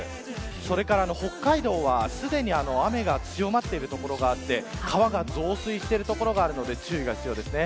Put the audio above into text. それから北海道はすでに雨が強まっている所があって川が増水している所があるので注意が必要です。